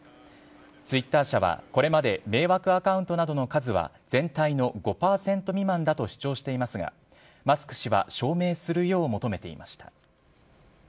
ツイッター社はこれまで迷惑アカウントなどの数は全体の５％未満だと主張していますが、マスク氏は証明するよう求めていました。